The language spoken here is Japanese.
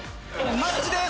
マッチです！